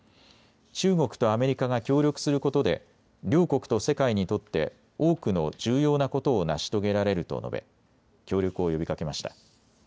中国とアメリカが協力することで両国と世界にとって多くの重要なことを成し遂げられると述べ協力を呼びかけました。